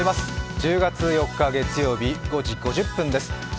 １０月４日月曜日５時５０分です。